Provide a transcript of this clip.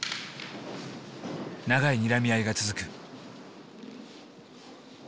長いにらみ合いが続く。